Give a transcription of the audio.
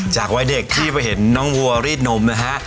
วัยเด็กที่ไปเห็นน้องวัวรีดนมนะฮะ